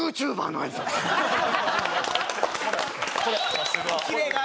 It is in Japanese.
さすが！